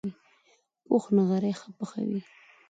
پوخ نغری ښه پخوي